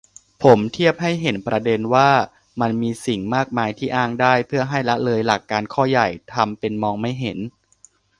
ผมเทียบให้เห็นประเด็นว่า มันมีสิ่งมากมายที่อ้างได้ เพื่อให้ละเลยหลักการข้อใหญ่ ทำเป็นมองไม่เห็น